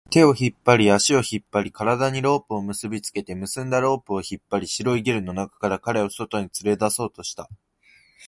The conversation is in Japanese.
手を引っ張り、足を引っ張り、体にロープを結びつけて、結んだロープを引っ張り、白いゲルの中から彼を外に連れ出そうとした